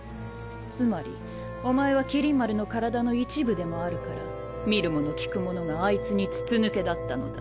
つまりおまえは麒麟丸の身体の一部でもあるから見るもの聞くものがあいつに筒抜けだったのだ。